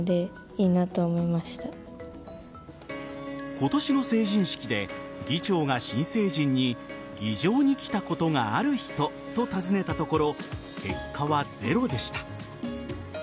今年の成人式で議長が新成人に議場に来たことがある人と尋ねたところ結果はゼロでした。